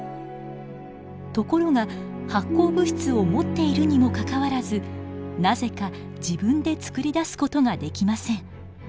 ところが発光物質を持っているにもかかわらずなぜか自分でつくり出す事ができません。